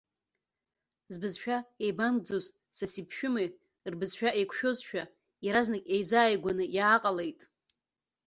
Збызшәа еибамкӡоз саси-ԥшәымеи рбызшәа еиқәшәозшәа, иаразнак еизааигәаны иааҟалеит.